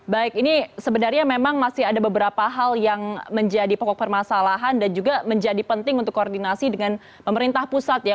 baik ini sebenarnya memang masih ada beberapa hal yang menjadi pokok permasalahan dan juga menjadi penting untuk koordinasi dengan pemerintah pusat ya